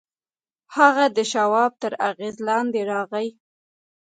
هغه د شواب تر اغېز لاندې راغی